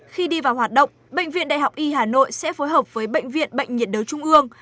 khi đi vào hoạt động bệnh viện đại học y hà nội sẽ phối hợp với bệnh viện bệnh nhiệt đới trung ương